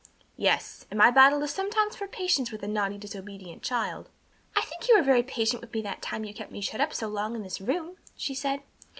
"Yes, and my battle is sometimes for patience with a naughty, disobedient child." "I think you were very patient with me that time you kept me shut up so long in this room," she said.